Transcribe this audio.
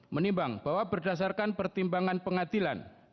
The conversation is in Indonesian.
menimbang bahwa berdasarkan pertimbangan pengadilan